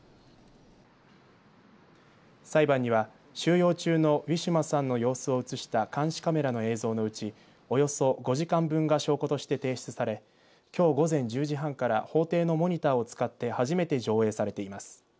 裁判には収容中のウィシュマさんの様子を写した監視カメラの映像のうちおよそ５時間分が証拠として提出されきょう午前１０時半から法廷のモニターを使って初めて上映されています。